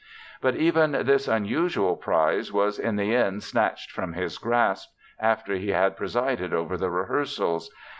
But even this unusual prize was in the end snatched from his grasp after he had presided over the rehearsals.